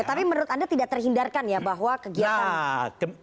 tapi menurut anda tidak terhindarkan ya bahwa kegiatan ini